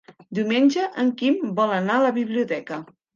Diumenge en Quim vol anar a la biblioteca.